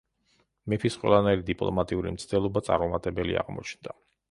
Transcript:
მეფის ყველანაირი დიპლომატიური მცდელობა წარუმატებელი აღმოჩნდა.